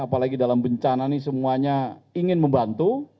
apalagi dalam bencana ini semuanya ingin membantu